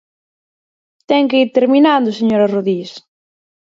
Ten que ir terminando, señora Rodís.